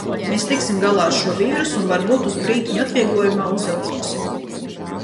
Mēs tiksim galā ar šo vīrusu un varbūt uz brītiņu atvieglojumā uzelposim.